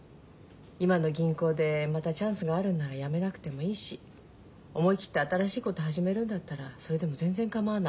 今の銀行でまたチャンスがあるんなら辞めなくてもいいし思い切って新しいこと始めるんだったらそれでも全然かまわない。